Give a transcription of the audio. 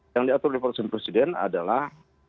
yang diatur di peraturan presiden adalah